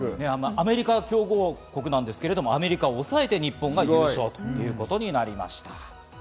アメリカは強豪国ですが、アメリカを抑えて日本が優勝ということになりました。